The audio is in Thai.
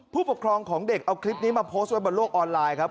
ผู้ปกครองของเด็กเอาคลิปนี้มาโพสต์ไว้บนโลกออนไลน์ครับ